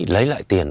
lấy lại tiền